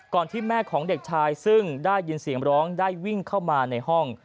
ที่แม่ของเด็กชายซึ่งได้ยินเสียงร้องได้วิ่งเข้ามาในห้อง